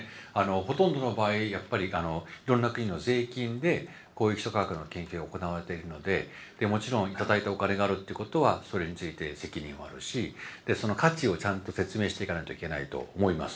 ほとんどの場合やっぱりいろんな国の税金でこういう基礎科学の研究が行われているのでもちろん頂いたお金があるってことはそれについて責任もあるしその価値をちゃんと説明していかないといけないと思います。